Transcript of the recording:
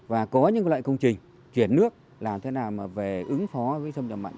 và có những loại công trình chuyển nước làm thế nào mà về ứng phó với sông trầm mặn